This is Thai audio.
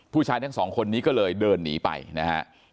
ผู้ชายทั้งสองคนนี้ก็เลยเดินหนีไปนะครับ